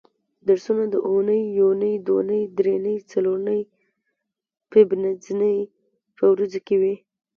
درسونه د اونۍ یونۍ دونۍ درېنۍ څلورنۍ پبنځنۍ په ورځو کې وي